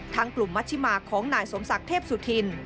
ทั้งกลุ่มมจิมากของหน่ายสมศักดิ์เทพสุธิน